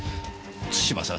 津島さん